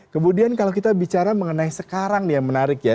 kemudian kalau kita bicara mengenai sekarang nih yang menarik ya